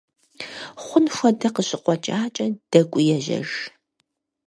Хъун хуэдэ къыщыкъуэкӀакӀэ, дэкӀуи ежьэж.